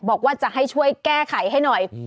บอกว่าจะให้ช่วยแก้ไขให้หน่อย